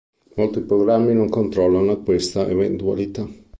Molti programmi non controllano questa eventualità.